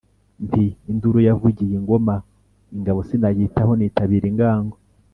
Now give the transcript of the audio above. nti: ni induru yavugiye i ngoma, ingabo sinayitaho nitabira ingango,